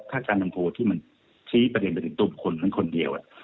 ถ้าการทำโพลที่มันชี้ประเด็นไปจุดทูปคนนั้นคนเดียว